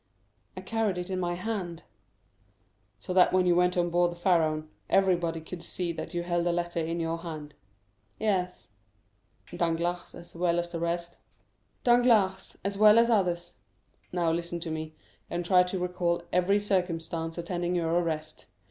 "I carried it in my hand." "So that when you went on board the Pharaon, everybody could see that you held a letter in your hand?" "Yes." "Danglars, as well as the rest?" "Danglars, as well as others." "Now, listen to me, and try to recall every circumstance attending your arrest.